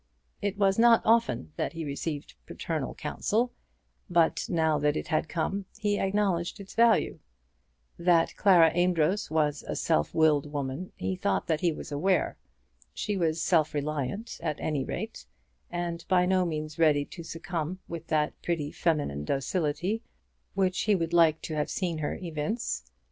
It was not often that he received paternal counsel, but now that it had come he acknowledged its value. That Clara Amedroz was a self willed woman he thought that he was aware. She was self reliant, at any rate, and by no means ready to succumb with that pretty feminine docility which he would like to have seen her evince.